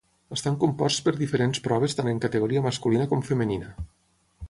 Estan composts per diferents proves tant en categoria masculina com femenina.